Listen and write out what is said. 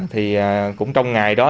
thì cũng trong ngày đó